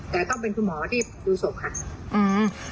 แต่ต้องเป็นคุณหมอที่ดูศพค่ะ